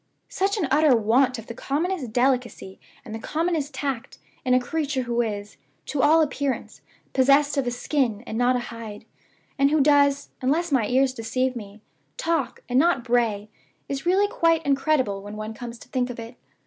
Such an utter want of the commonest delicacy and the commonest tact, in a creature who is, to all appearance, possessed of a skin, and not a hide, and who does, unless my ears deceive me, talk, and not bray, is really quite incredible when one comes to think of it.